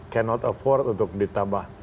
cannot afford untuk ditambah